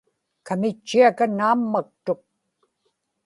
kamitchiaka naammaktuk